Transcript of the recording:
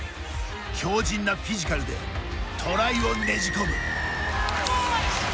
強じんなフィジカルでトライをねじ込む。